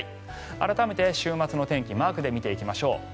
改めて週末の天気をマークで見てみましょう。